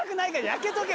焼けとけ！